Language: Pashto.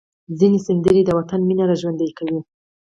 ځینې سندرې د وطن مینه راژوندۍ کوي.